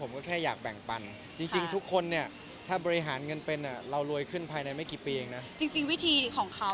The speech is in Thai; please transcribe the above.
มีผู้ใหญ่ถามไหมคะว่าเมื่อไหร่จะตัดสินค้า